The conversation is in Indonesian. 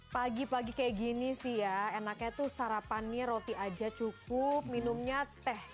pagi pagi kayak gini sih ya enaknya tuh sarapannya roti aja cukup minumnya teh